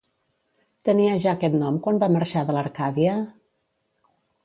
Tenia ja aquest nom quan va marxar de l'Arcàdia?